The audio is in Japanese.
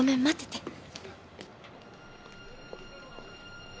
待ってて。